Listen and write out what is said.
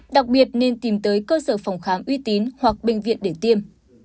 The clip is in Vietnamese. đặc biệt nên tìm tới cơ sở phòng khám uy tín hoặc bệnh viện để tiêm